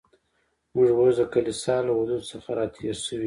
موږ اوس د کلیسا له حدودو څخه را تېر شوي و.